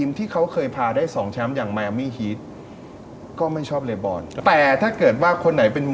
มึงไปได้ยินมาว่าลื่นเขาลื่น